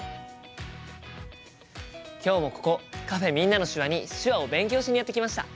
今日もここカフェ「みんなの手話」に手話を勉強しにやって来ました！